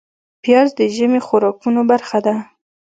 پیاز د ژمي خوراکونو برخه ده